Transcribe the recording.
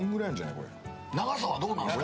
長さはどうなんですか？